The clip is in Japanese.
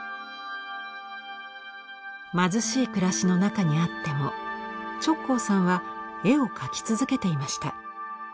貧しい暮らしの中にあっても直行さんは絵を描き続けていました。